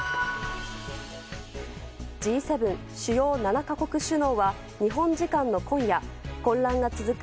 Ｇ７・主要７か国首脳は日本時間の今夜、混乱が続く